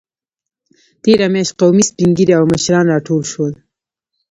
تېره میاشت قومي سپینږیري او مشران راټول شول.